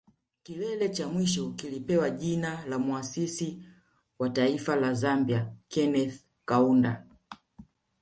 Kilele cha mwisho kilipewa jina la Muasisi wa Taifa la Zambia Kenneth Kaunda